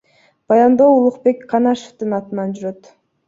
Баяндоо Улукбек Канашевдин атынан жүрөт.